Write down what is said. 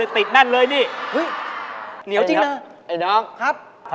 อันนี้อันนี้ถูกแล้ว